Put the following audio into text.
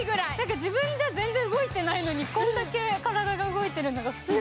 自分じゃ全然動いてないのにこれだけ体が動いてるのが不思議。